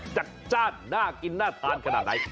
จัดจ้านน่ากินน่าทานขนาดไหน